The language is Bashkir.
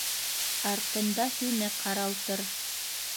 Артында һине ҡаралтыр.